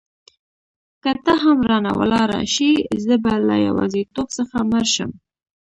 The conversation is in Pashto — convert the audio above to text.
که ته هم رانه ولاړه شې زه به له یوازیتوب څخه مړ شم.